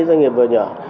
doanh nghiệp vừa và nhỏ